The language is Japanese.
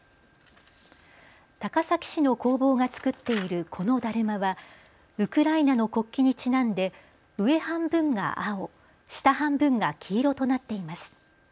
高崎市の工房が作っているこのだるまはウクライナの国旗にちなんで上半分が青、下半分が黄色となっています。